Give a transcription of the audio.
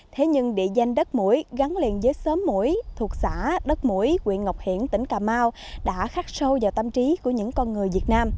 thế nhưng địa danh đất mũi gắn liền với xóm mũi thuộc xã đất mũi quyện ngọc hiển tỉnh cà mau đã khắc sâu vào tâm trí của những con người việt nam